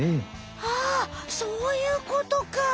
はあそういうことか！